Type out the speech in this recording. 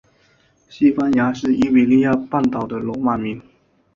西班牙是伊比利亚半岛的罗马名。